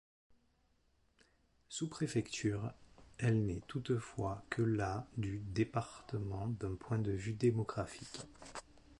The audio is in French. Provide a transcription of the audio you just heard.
Sous-préfecture, elle n'est toutefois que la du département d'un point de vue démographique.